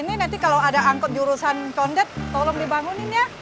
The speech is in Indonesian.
nanti kalau ada angkot jurusan kondet tolong dibangunin ya